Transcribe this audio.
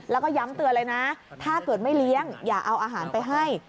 แล้วก็ย้ำเตือนเลยนะถ้าเกิดไม่เลี้ยงอย่าเอาอาหารไปให้